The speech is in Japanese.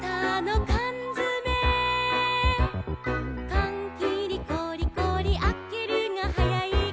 「かんきりゴリゴリあけるがはやいか」